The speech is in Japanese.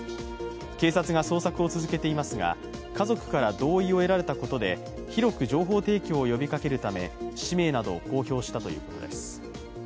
警察が捜索を続けていますが、家族から同意を得られたことで広く情報提供を呼びかけるため氏名など公表したということです。